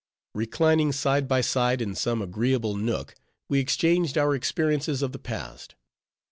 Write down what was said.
Reclining side by side in some agreeable nook, we exchanged our experiences of the past.